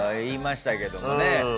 言いましたけどもね。